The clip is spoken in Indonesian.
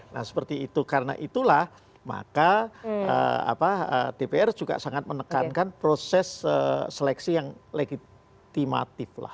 nah seperti itu karena itulah maka dpr juga sangat menekankan proses seleksi yang legitimatif lah